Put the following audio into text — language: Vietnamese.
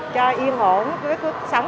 cho yên ổn với cuộc sống